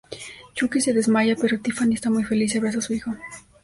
Chucky se desmaya, pero Tiffany está muy feliz y abraza a su hijo.